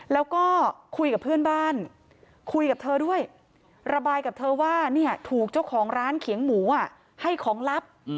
แล้วก็คุยกับเพื่อนบ้านคุยกับเธอด้วยระบายกับเธอว่าเนี่ยถูกเจ้าของร้านเขียงหมูให้ของลับ